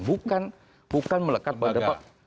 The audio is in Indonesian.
bukan melekat pada kelembagaannya